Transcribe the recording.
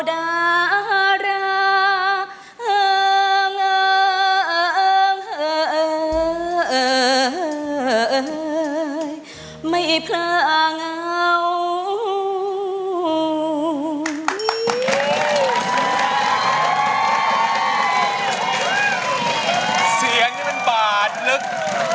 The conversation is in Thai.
เสียงนี้มันบาดลึก